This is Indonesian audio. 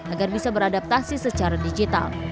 agar bisa beradaptasi secara digital